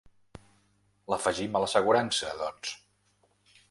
L'afegim a l'assegurança doncs.